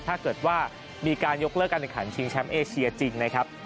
ถ้าเกิดว่ามีการยกเลิกการแข่งขันชิงแชมป์เอเชียจริงนะครับ